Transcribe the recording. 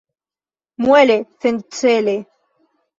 Muele sencele.